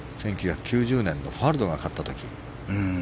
１９９０年のファルドが勝った時。